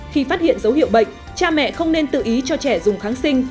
khi phát hiện dấu hiệu bệnh cha mẹ không nên tự ý cho trẻ dùng kháng sinh